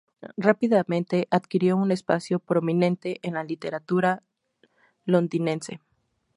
Rápidamente, adquirió un espacio prominente en la literatura londinense.